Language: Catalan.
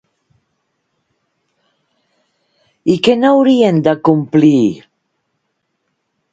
I què no haurien d'acomplir?